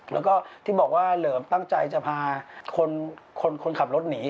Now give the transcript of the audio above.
แล้วก็ที่บอกว่าเหลิมตั้งใจจะพาคนขับรถหนี